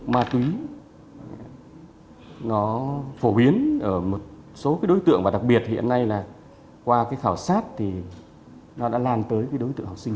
ma túy nó phổ biến ở một số đối tượng và đặc biệt hiện nay là qua cái khảo sát thì nó đã lan tới cái đối tượng học sinh